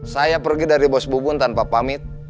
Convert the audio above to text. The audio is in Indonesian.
saya pergi dari bos bubun tanpa pamit